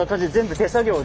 手作業で。